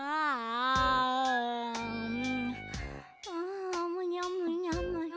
あむにゃむにゃむにゃ。